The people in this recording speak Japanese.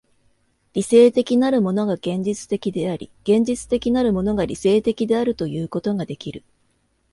理性的なるものが現実的であり、現実的なるものが理性的であるということができる。